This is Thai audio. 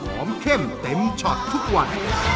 เข้มเต็มช็อตทุกวัน